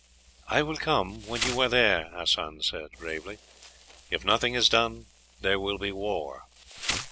"I will come when you are there," Hassan said gravely. "If nothing is done, there will be war."